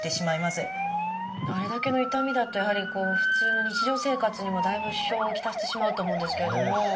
あれだけの痛みだとやはり普通の日常生活にもだいぶ支障を来してしまうと思うんですけれども。